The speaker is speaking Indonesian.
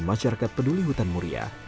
dan masyarakat peduli hutan muria